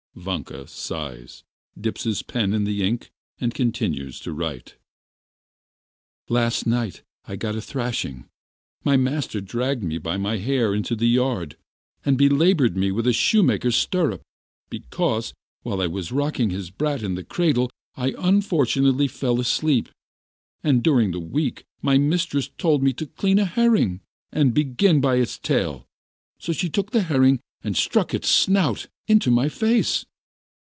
Vanka sighs, dips his pen in the ink, and continues to write: "Last night I got a thrashing, my master dragged me by my hair into the yard, and belaboured me with a shoe maker's stirrup, because, while I was rocking his brat in its cradle, I unfortunately fell asleep. And during the week, my mistress told me to clean a herring, and I began by its tail, so she took the herring and stuck its snout into my face.